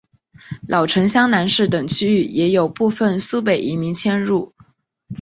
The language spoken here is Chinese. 老城厢南市等区域也有部分苏北移民迁入。